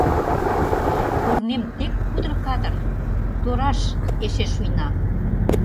Корнем тек кудыр-кадыр — Тораш эше шуйна.